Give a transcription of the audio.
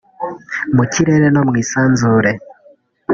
mu kirere no mu isanzure